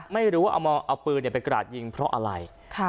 ไม่รู้ว่าเอาปืนไปกราดยิงเพราะอะไร